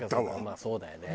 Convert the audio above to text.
まあそうだよね。